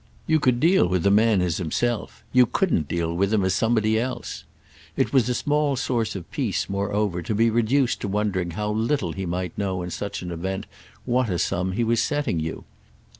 You could deal with a man as himself—you couldn't deal with him as somebody else. It was a small source of peace moreover to be reduced to wondering how little he might know in such an event what a sum he was setting you.